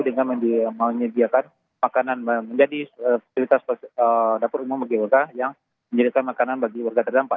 dengan menyediakan makanan menjadi fasilitas dapur umum bagioka yang menjadikan makanan bagi warga terdampak